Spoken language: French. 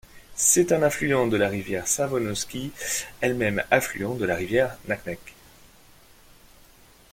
C'est un affluent de la rivière Savonoski, elle-même affluent de la rivière Naknek.